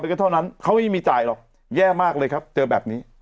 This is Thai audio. ก็เท่านั้นเขาไม่มีจ่ายหรอกแย่มากเลยครับเจอแบบนี้